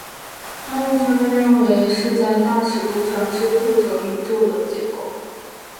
暗物质被认为是在大尺度上支配着宇宙的结构。